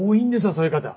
そういう方。